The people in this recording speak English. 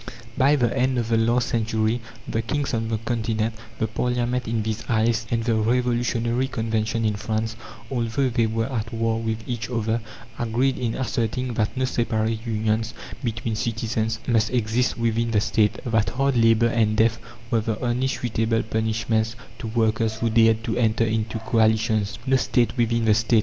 By the end of the last century the kings on the Continent, the Parliament in these isles, and the revolutionary Convention in France, although they were at war with each other, agreed in asserting that no separate unions between citizens must exist within the State; that hard labour and death were the only suitable punishments to workers who dared to enter into "coalitions." "No state within the State!"